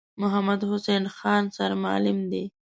محمدحسین خان سرمعلم دی.